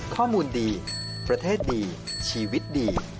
ข้อมูลดีประเทศดีชีวิตดี